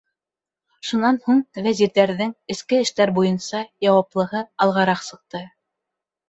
Шунан һуң вәзирҙәрҙең эске эштәр буйынса яуаплыһы алғараҡ сыҡты: